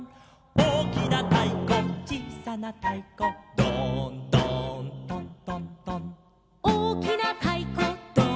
「おおきなたいこちいさなたいこ」「ドーンドーントントントン」「おおきなたいこドーンドーン」